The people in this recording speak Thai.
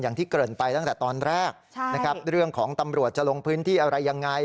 อย่างที่เกริ่นไปตั้งแต่ตอนแรกนะครับเรื่องของตำรวจจะลงพื้นที่อะไรยังไง